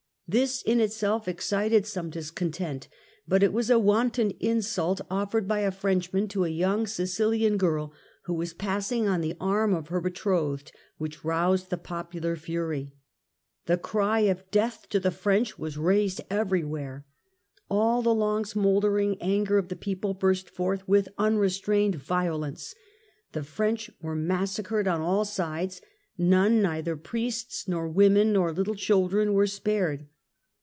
This in itself excited some discontent, but it was a wanton insult offered by a Frenchman to a young Sicilian girl who was passing on the arm of her betrothed, which roused the popular fury. The cry of death to the French was raised everywhere. All the long smoulder ing anger of the people burst forth with unrestrained violence ; the French were massacred on all sides ; none, neither priests, nor women, nor little children were spared.